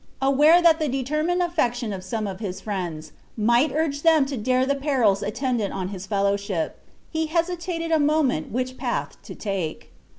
Aware that the determined affection of some of his friends might urge them to dare the perils attendant on his fellowship, he hesitated a moment which path to take.